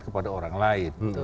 kepada orang lain